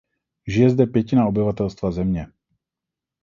Žije zde pětina obyvatelstva země.